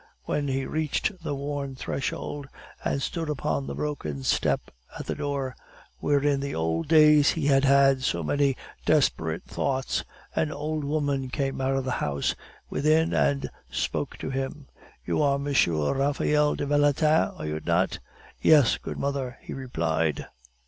When he reached the worn threshold, and stood upon the broken step at the door, where in the old days he had had so many desperate thoughts, an old woman came out of the room within and spoke to him. "You are M. Raphael de Valentin, are you not?" "Yes, good mother," he replied.